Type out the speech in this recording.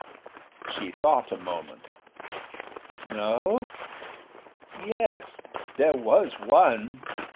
She thought a moment. "No yes, there was one."